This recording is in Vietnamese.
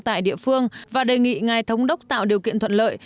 tại địa phương và đề nghị ngài thống đốc tạo điều kiện thuận lợi